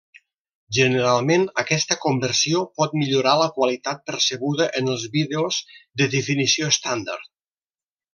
Generalment aquesta conversió pot millorar la qualitat percebuda en els vídeos de definició estàndard.